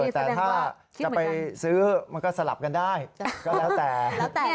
แต่ถ้าจะไปซื้อมันก็สลับกันได้ก็แล้วแต่